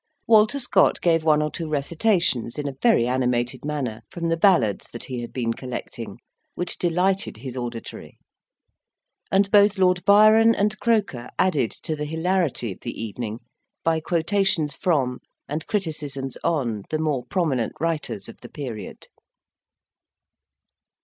Walter Scott gave one or two recitations, in a very animated manner, from the ballads that he had been collecting, which delighted his auditory; and both Lord Byron and Croker added to the hilarity of the evening by quotations from, and criticisms on the more prominent writers of the period.